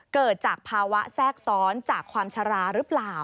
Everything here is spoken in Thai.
เกิดจากภาวะแทรกซ้อนจากความชะลาหรือเปล่า